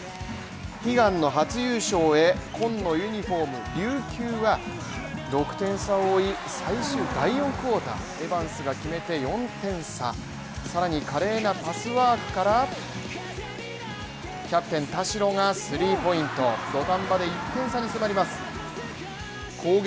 悲願の初優勝へ、紺のユニフォーム、琉球は６点差を追い、最終第４クォーター、エバンスが決めて４点差、さらに華麗なパスワークからキャプテン・田代が３ポイントを土壇場で１点差に迫ります。